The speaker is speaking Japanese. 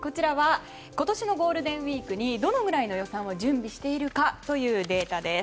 今年のゴールデンウィークにどのくらいの予算を準備しているかのデータです。